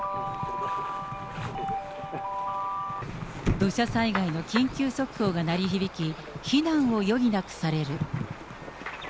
土砂災害の緊急速報が鳴り響き、避難を余儀なくされる。